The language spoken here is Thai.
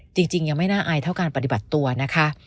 จริงยังไม่น่าอายเท่าการปฏิบัติตัวนะคะ